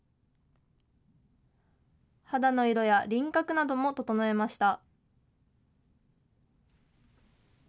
肌の色や輪郭なども整えました。